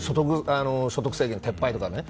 所得制限撤廃とかね。